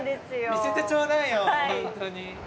見せてちょうだいよ本当に。